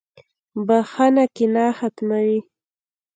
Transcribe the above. • بخښنه کینه ختموي.